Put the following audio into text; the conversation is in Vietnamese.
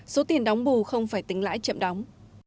số tiền đóng bù không phải tính lãi chậm đóng